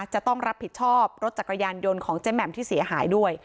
จะต้องรับผิดชอบรถจักรยานยนต์ของเจ๊แหม่มที่เสียหายด้วย